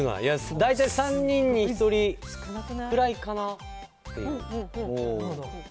大体３人に１人くらいかなっていう。